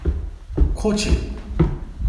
佐敦呢啲球星真係有今生冇來世